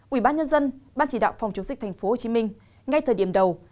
ủy ban nhân dân ban chỉ đạo phòng chống dịch tp hcm ngay thời điểm đầu